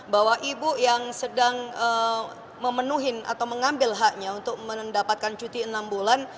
bahwa ibu yang sedang memenuhi atau mengambil haknya untuk mendapatkan cuti enam bulan